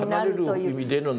「離れる」意味での。